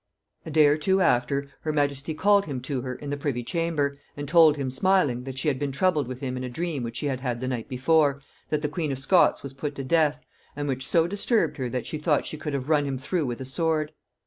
A day or two after, her majesty called him to her in the privy chamber, and told him smiling, that she had been troubled with him in a dream which she had had the night before, that the queen of Scots was put to death; and which so disturbed her, that she thought she could have run him through with a sword.